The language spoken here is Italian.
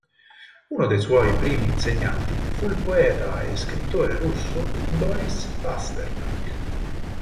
Uno dei suoi primi insegnanti fu il poeta e scrittore russo Boris Pasternak.